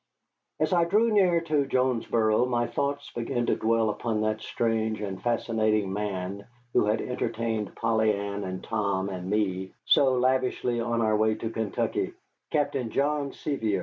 As I drew near to Jonesboro my thoughts began to dwell upon that strange and fascinating man who had entertained Polly Ann and Tom and me so lavishly on our way to Kentucky, Captain John Sevier.